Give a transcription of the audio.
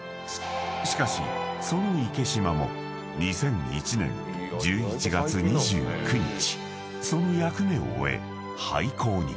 ［しかしその池島も２００１年１１月２９日その役目を終え廃鉱に］